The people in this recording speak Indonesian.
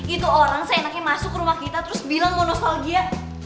itu orang seenaknya masuk rumah kita terus bilang mau nostalgia